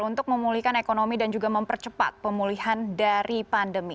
untuk memulihkan ekonomi dan juga mempercepat pemulihan dari pandemi